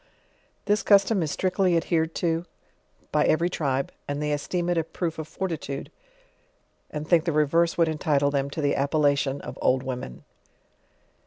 This custom is strictly adhered to by every tribe, and they esteem it a proof of fortitude, and think the reverse wo^d entitle them to the appellation of old women.